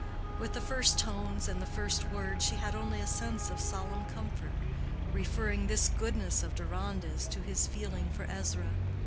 With the first tones and the first words, she had only a sense of solemn comfort, referring this goodness of Deronda's to his feeling for Ezra.